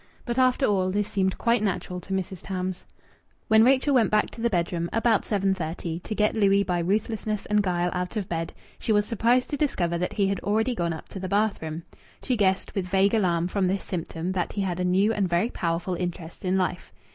But after all, this seemed quite natural to Mrs. Tams. When Rachel went back to the bedroom, about 7.30, to get Louis by ruthlessness and guile out of bed, she was surprised to discover that he had already gone up to the bathroom. She guessed, with vague alarm, from this symptom that he had a new and very powerful interest in life.